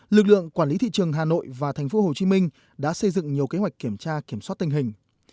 lực lượng quản lý thị trường hà nội và tp hcm đã xây dựng nhiều kế hoạch kiểm tra kiểm soát tình hình